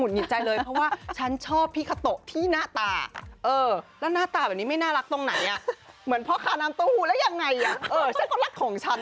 คุณหงิดใจเลยเพราะว่าฉันชอบพี่คาโตะที่หน้าตาเออแล้วหน้าตาแบบนี้ไม่น่ารักตรงไหนอ่ะเหมือนพ่อขาน้ำต้นฮูแล้วยังไงอ่ะเออฉันคนรักของฉันอ่ะ